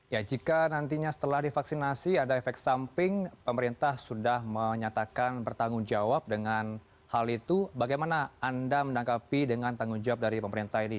ya jika nantinya setelah divaksinasi ada efek samping pemerintah sudah menyatakan bertanggung jawab dengan hal itu bagaimana anda menangkapi dengan tanggung jawab dari pemerintah ini